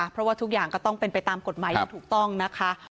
เพราะว่าทุกอย่างก็ต้องเป็นไปตามกฎหมายอย่างถูกต้องนะคะ